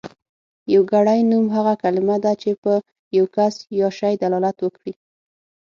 يوګړی نوم هغه کلمه ده چې په يو کس يا شي دلالت وکړي.